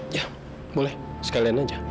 ya boleh sekalian aja